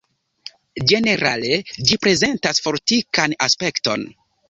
Ĝenerale ĝi prezentas fortikan aspekton.